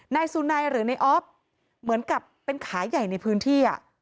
นายสุนัยหรือในออฟเหมือนกับเป็นขาใหญ่ในพื้นที่